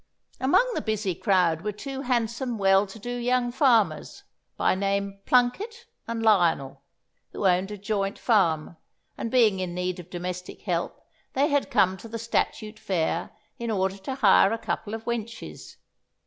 Amongst the busy crowd were two handsome well to do young farmers, by name Plunket and Lionel, who owned a joint farm; and being in need of domestic help, they had come to the statute fair in order to hire a couple of wenches.